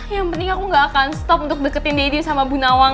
yang penting aku gak akan stop untuk deketin day sama bu nawang